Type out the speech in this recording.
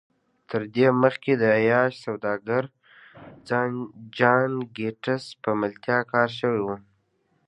تر دې مخکې د عیاش سوداګر جان ګیټس په ملتیا کار شوی و